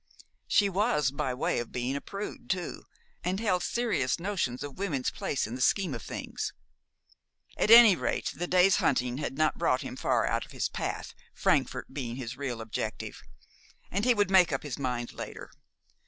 She was by way of being a prude too, and held serious notions of women's place in the scheme of things. At any rate, the day's hunting had not brought him far out of his path, Frankfort being his real objective, and he would make up his mind later.